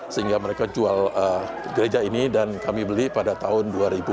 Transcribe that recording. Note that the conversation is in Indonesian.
sehingga mereka jual gereja ini dan kami beli pada tahun dua ribu